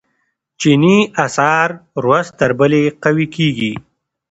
چیني اسعار ورځ تر بلې قوي کیږي.